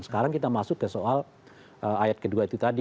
sekarang kita masuk ke soal ayat kedua itu tadi